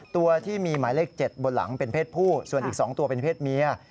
ตัวที่มีหมายเลข๗บนหลังเป็นเพศผู้ส่วนอีก๒ตัวเป็นเพศเมีย